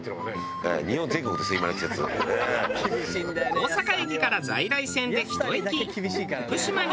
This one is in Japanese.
大阪駅から在来線で１駅。